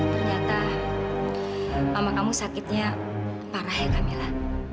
ternyata mama kamu sakitnya parah ya camela